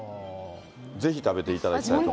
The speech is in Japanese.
ぜひ食べていただきたいと思います。